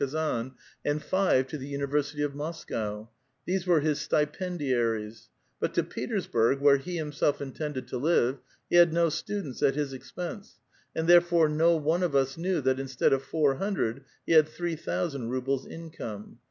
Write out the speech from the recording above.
A VITAL QUESTION, 276 Xazan, and five to the University of Moscow ; these were Ins stipendiaries ; but to Petersburg, where he, himself, in tended to live, he had no stucleuls at his expense, and there ibre no one of us knew that, instead of four hundred, he had three thousand rubles income.